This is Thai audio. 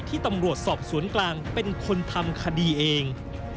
ตำรวจสอบสวนกลางเป็นคนทำคดีเอง